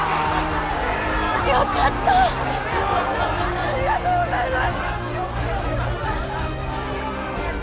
よかったありがとうございます！